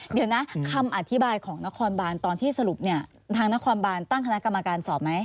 เดี๋ยวนะคำอธิบายของนครบานตอนที่สรุปเนี่ยทางนครบานตั้งคณะกรรมการสอบไหม